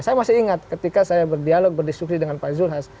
saya masih ingat ketika saya berdialog berdiskusi dengan pak zulhas